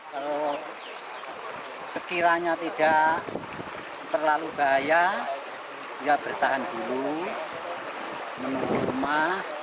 kalau sekiranya tidak terlalu bahaya ya bertahan dulu menuju rumah